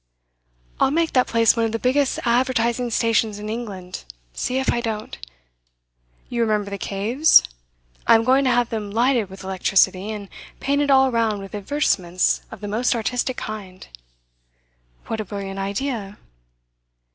'I'll make that place one of the biggest advertising stations in England see if I don't! You remember the caves? I'm going to have them lighted with electricity, and painted all round with advertisements of the most artistic kind.' 'What a brilliant idea!